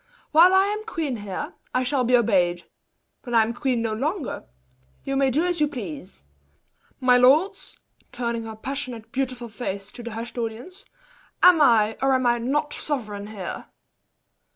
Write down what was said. "While I am queen here, I shall be obeyed; when I am queen no longer, you may do as you please! My lords" (turning her passionate, beautiful face to the hushed audience), "am I or am I not sovereign here!"